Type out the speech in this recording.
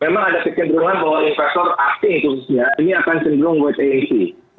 memang ada kecenderungan bahwa investor asing khususnya ini akan cenderung wait and see